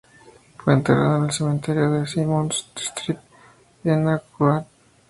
Fue enterrado en el Cementerio de Symonds Street en Auckland.